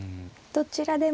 どちらでも。